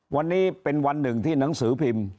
วันนี้เป็นวันหนึ่งที่หนังสือพิมพ์